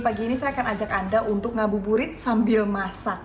pagi ini saya akan ajak anda untuk ngabuburit sambil masak